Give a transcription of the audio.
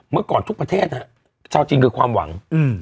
เมื่อก่อนทุกประเทศฮะชาวจีนคือความหวัง